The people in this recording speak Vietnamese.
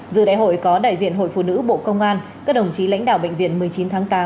giữa đại hội có đại diện hội phụ nữ bộ công an các đồng chí lãnh đạo bệnh viện một mươi chín tháng tám